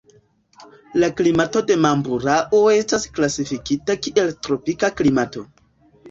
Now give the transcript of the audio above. La klimato de Mamburao estas klasifikita kiel tropika klimato.